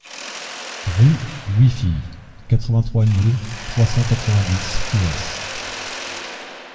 Rue Louis Fille, quatre-vingt-trois mille trois cent quatre-vingt-dix Cuers